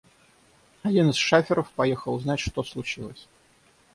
Один из шаферов поехал узнать, что случилось.